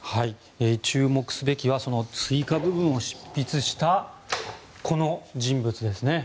注目すべきは追加部分を執筆したこの人物です。